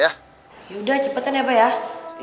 yaudah cepetin ya abah ya